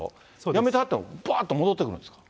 やめてはってもばーっと戻ってくるんですか？